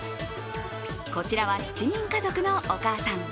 こちらは７人家族のお母さん。